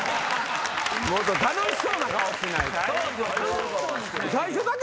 もっと楽しそうな顔しないと！